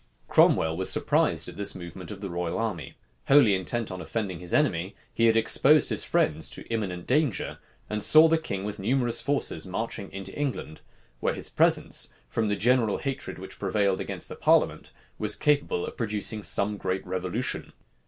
Cromwell was surprised at this movement of the royal army. Wholly intent on offending his enemy, he had exposed his friends to imminent danger, and saw the king with numerous forces marching into England; where his presence, from the general hatred which prevailed against the parliament, was capable of producing some great revolution.